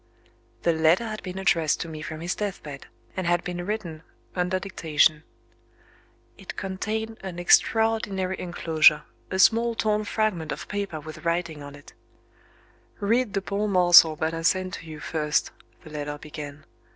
The letter had been addressed to me from his deathbed, and had been written under dictation. It contained an extraordinary enclosure a small torn fragment of paper with writing on it. "Read the poor morsel that I send to you first" (the letter began).